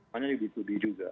bermakna b dua b juga